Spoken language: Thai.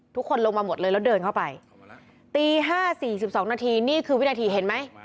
ทุกคนลงมาหมดเลยแล้วเดินเข้าไปตี๕๔๒นาทีนี่คือวินาทีเห็นไหม